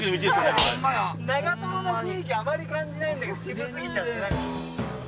長の雰囲気あまり感じないんだけど渋過ぎちゃって。